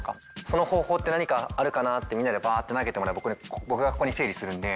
その方法って何かあるかなってみんなでバッて投げてもらえば僕がここで整理するんで。